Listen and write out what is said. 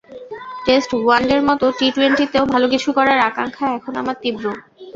Test ওয়ানডের মতো টি-টোয়েন্টিতেও ভালো কিছু করার আকাঙ্ক্ষা এখন আমার তীব্র।